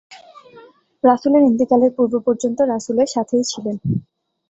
রাসূলের ইন্তেকালের পূর্ব পর্যন্ত রাসূলের সাথেই ছিলেন।